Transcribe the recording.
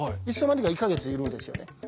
いつの間にか１か月いるんですよね。